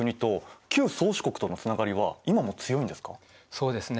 そうですね。